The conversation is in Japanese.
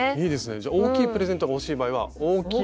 じゃあ大きいプレゼントが欲しい場合は大きい。